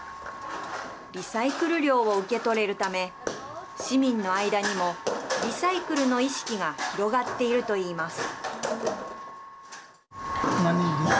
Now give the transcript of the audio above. リサイクル料を受け取れるため市民の間にもリサイクルの意識が広がっているといいます。